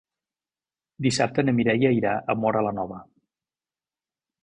Dissabte na Mireia irà a Móra la Nova.